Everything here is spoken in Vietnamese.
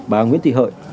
bà nguyễn thị hợi